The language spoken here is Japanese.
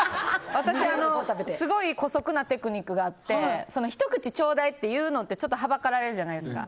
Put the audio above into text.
私すごい姑息なテクニックがあってひと口ちょうだいって言うのってはばかられるじゃないですか。